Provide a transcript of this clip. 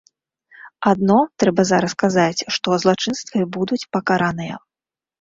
Адно, трэба зараз казаць, што злачынствы будуць пакараныя.